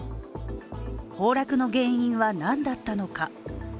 崩落の原因は何だったのか。